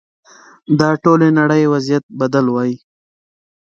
د ټولې نړۍ وضعیت بدل وای.